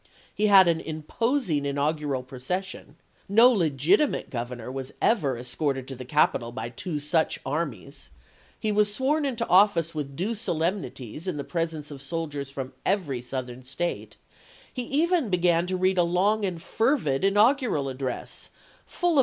He had an imposing inaugural procession; no legitimate governor was ever escorted to the capitol by two such armies; he was sworn into office with due solemnities in the presence of sol diers from every Southern State ; he even began to read a long and fervid inaugural address, full of 278 ABKAHAM LINCOLN Ch. XIII. B. F.